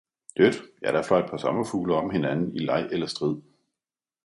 Dødt, ja der fløi et par sommerfugle om hinanden, i leeg eller strid